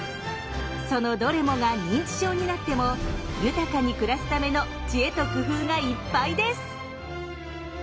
そのどれもが認知症になっても豊かに暮らすための知恵と工夫がいっぱいです！